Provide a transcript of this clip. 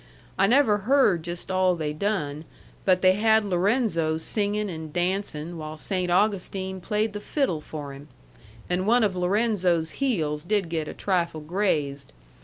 I never heard just all they done, but they had Lorenzo singin' and dancin', while Saynt Augustine played the fiddle for him. And one of Lorenzo's heels did get a trifle grazed.